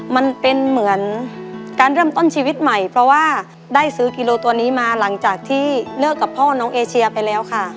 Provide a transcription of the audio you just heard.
มันเป็นเหมือนการเริ่มต้นชีวิตใหม่เพราะว่าได้ซื้อกิโลตัวนี้มาหลังจากที่เลิกกับพ่อน้องเอเชียไปแล้วค่ะ